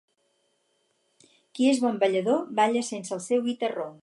Qui és bon ballador, balla sense el seu guitarró.